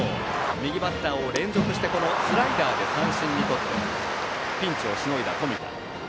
右バッターを連続してスライダーで三振にとってピンチをしのいだ冨田。